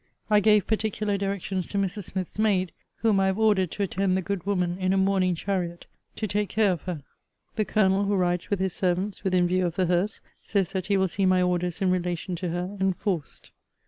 I gave particular directions to Mrs. Smith's maid (whom I have ordered to attend the good woman in a mourning chariot) to take care of her. The Colonel, who rides with his servants within view of the hearse, says that he will see my orders in relation to her enforced.